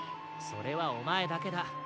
それはおまえだけだ。